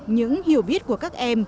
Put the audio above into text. những hiểu biết của các em